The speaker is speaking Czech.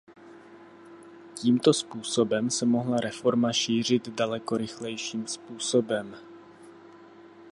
Tímto způsobem se mohla reforma šířit daleko rychlejším způsobem.